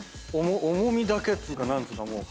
重みだけっつうか何つうかもう。